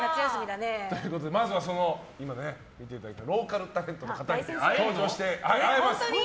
まずは、見ていただいたローカルタレントの方に登場してもらいます。